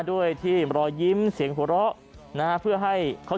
ด้วยทีมรอยยิ้มเสียงขวะเลิกนะเพื่อให้เค้า